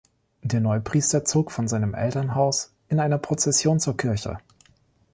Der Neupriester zog von seinem Elternhaus in einer Prozession zur Kirche.